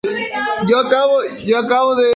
Protagonizada por Alfredo Castro y Antonia Zegers.